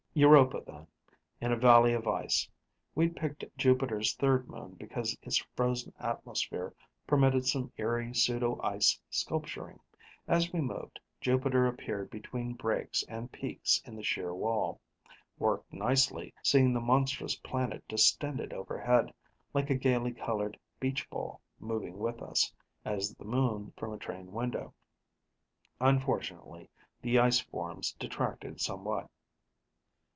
Europa, then, in a valley of ice. We'd picked Jupiter's third moon because its frozen atmosphere permitted some eerie pseudo ice sculpturing. As we moved, Jupiter appeared between breaks and peaks in the sheer wall. Worked nicely, seeing the monstrous planet distended overhead, like a gaily colored beach ball moving with us, as the moon from a train window. Unfortunately, the ice forms detracted somewhat.